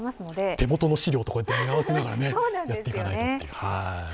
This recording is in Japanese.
手元の資料と見合わせながらやっていかないとって。